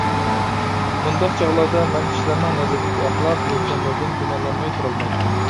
مۇنداق چاغلاردا مەن كىشىلەرنىڭ نەزىرىدىكى ئەخلاق ئۆلچەملىرىدىن گۇمانلانماي تۇرالمايتتىم.